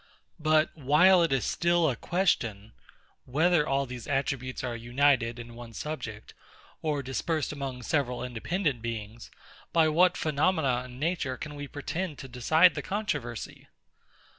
But while it is still a question, Whether all these attributes are united in one subject, or dispersed among several independent beings, by what phenomena in nature can we pretend to decide the controversy?